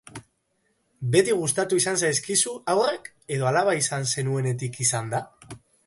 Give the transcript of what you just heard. Beti gustatu izan zaizkizu haurrak edo alaba izan zenuenetik izan da?